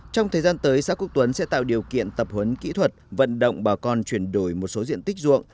trong thời gian tới xã quốc tuấn sẽ tạo điều kiện tập huấn kỹ thuật vận động bà con chuyển đổi một số diện tích ruộng